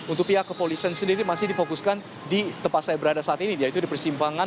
untuk pihak kepolisian sendiri masih difokuskan di tempat saya berada saat ini yaitu di persimpangan